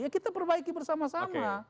ya kita perbaiki bersama sama